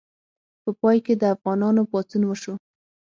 په پای کې د افغانانو پاڅون وشو.